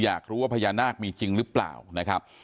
อยากรู้ว่าพญานาคมีจริงปะนะครับ